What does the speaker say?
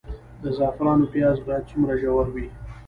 د زعفرانو پیاز باید څومره ژور وي؟